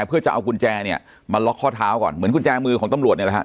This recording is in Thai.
เพื่อจะเอากุญแจเนี่ยมาล็อกข้อเท้าก่อนเหมือนกุญแจมือของตำรวจเนี่ยแหละฮะ